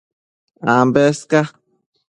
Ambes ca